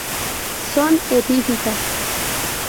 Son epífitas?